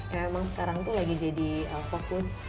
ya emang sekarang tuh lagi jadi fokus